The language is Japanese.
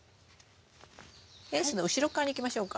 フェンスの後ろ側に行きましょうか。